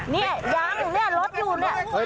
เนี่ยย้างเนี่ยรถอยู่เนี่ย